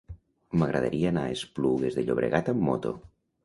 M'agradaria anar a Esplugues de Llobregat amb moto.